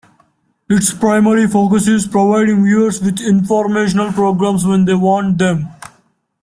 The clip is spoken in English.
Its primary focus is providing viewers with informational programs when they want them.